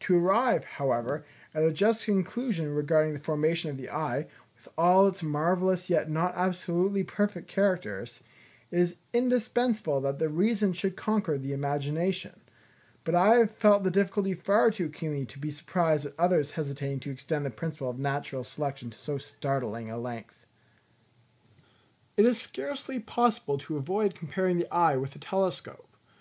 To arrive, however, at a just conclusion regarding the formation of the eye, with all its marvellous yet not absolutely perfect characters, it is indispensable that the reason should conquer the imagination; but I have felt the difficulty far to keenly to be surprised at others hesitating to extend the principle of natural selection to so startling a length. It is scarcely possible to avoid comparing the eye with a telescope.